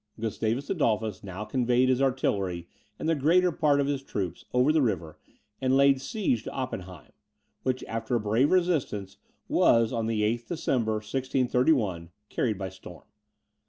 Gustavus Adolphus now conveyed his artillery and the greater part of his troops over the river, and laid siege to Oppenheim, which, after a brave resistance, was, on the 8th December, 1631, carried by storm.